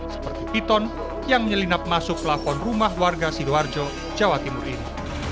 seperti piton yang menyelinap masuk plafon rumah warga sidoarjo jawa timur ini